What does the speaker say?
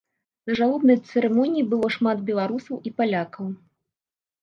На жалобнай цырымоніі было шмат беларусаў і палякаў.